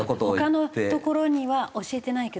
他のところには教えてないけど。